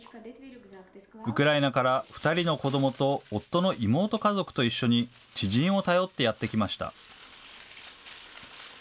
ウクライナから２人の子どもと夫の妹家族と一緒に、知人を頼ってやって来ました。